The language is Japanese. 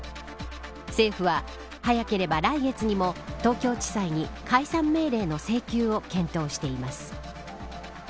政府は早ければ来月にも東京地裁に解散命令の請求を検討しています。